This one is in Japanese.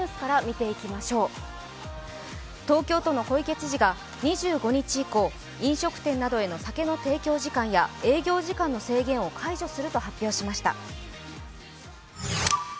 東京都の小池知事が２５日以降、飲食店などへの酒の提供時間や営業時間の制限を解除すると発表しました。